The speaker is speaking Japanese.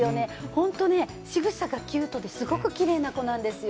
本当ね、しぐさがキュートで、すごくキレイな子なんですよ。